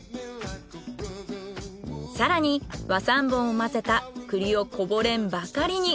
更に和三盆を混ぜた栗をこぼれんばかりに。